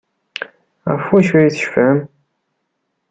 Ɣef wacu ay tecfam?